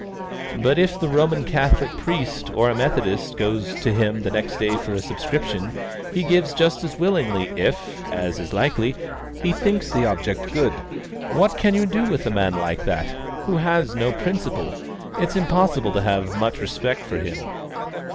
But if the Roman Catholic priest or a Methodist goes to him the next day for a subscription, he gives just as willingly if, as is likely, he thinks the object good. What can you do with a man like that, who has no principle? It's impossible to have much respect for him."